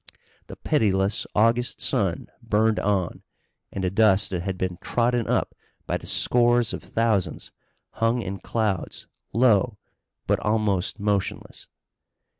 The pitiless August sun burned on and the dust that had been trodden up by the scores of thousands hung in clouds low, but almost motionless.